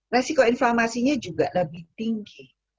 resiko inflamasinya juga lebih tinggi